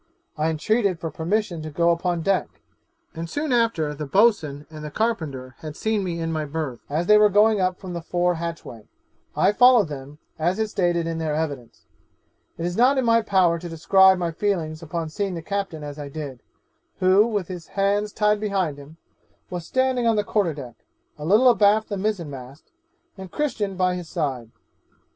I entreated for permission to go upon deck; and soon after the boatswain and carpenter had seen me in my berth, as they were going up the fore hatchway, I followed them, as is stated in their evidence. It is not in my power to describe my feelings upon seeing the captain as I did, who, with his hands tied behind him, was standing on the quarter deck, a little abaft the mizen mast, and Christian by his side.